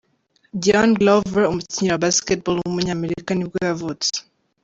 Dion Glover, umukinnyi wa basketball w’umunyamerika nibwo yavutse.